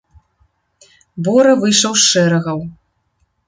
Бора выйшаў з шэрагаў.